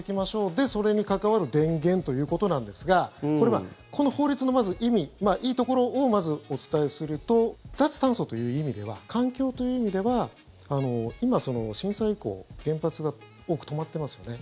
で、それに関わる電源ということなんですがこの法律の、まず意味いいところをまずお伝えすると脱炭素という意味では環境という意味では今、震災以降原発が多く止まってますよね。